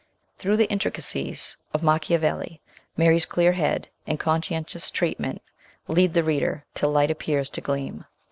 Through the intricacies of Machiavelli Mary's clear head and conscientious treatment lead the reader till light appears to gleam.